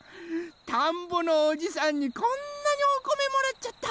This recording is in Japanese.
たんぼのおじさんにこんなにおこめもらっちゃった！